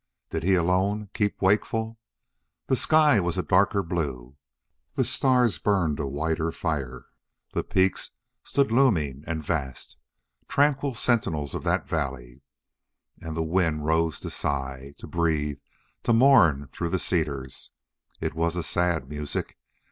Did he alone keep wakeful? The sky was a darker blue, the stars burned a whiter fire, the peaks stood looming and vast, tranquil sentinels of that valley, and the wind rose to sigh, to breathe, to mourn through the cedars. It was a sad music.